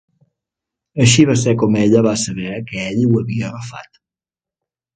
Així va ser com ella va saber que ell ho havia agafat.